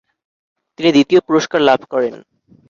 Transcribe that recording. তিনি দ্বিতীয় পুরস্কার লাভ করেন।